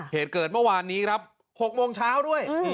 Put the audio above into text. เหตุเกิดเมื่อวานนี้ครับ๖โมงเช้าด้วย